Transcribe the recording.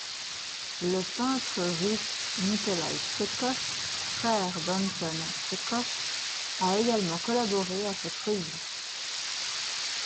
Le peintre russe Nikolaï Tchekhov, frère d'Anton Tchekov a également collaboré à cette revue.